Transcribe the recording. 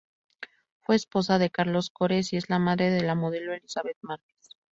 Fue esposa de Carlos Cores y es la madre de la modelo Elizabeth Márquez.